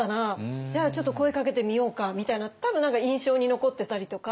じゃあちょっと声かけてみようか」みたいな多分何か印象に残ってたりとか。